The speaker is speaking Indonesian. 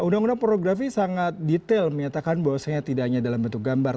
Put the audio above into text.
undang undang pornografi sangat detail menyatakan bahwasannya tidak hanya dalam bentuk gambar